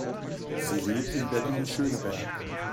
Sie lebt in Berlin-Schöneberg.